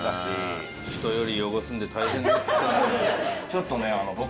ちょっとね僕。